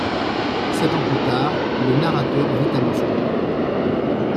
Sept ans plus tard, le narrateur vit à Moscou.